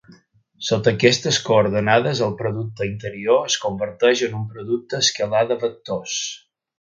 Sota aquestes coordenades, el producte interior es converteix en un producte escalar de vectors.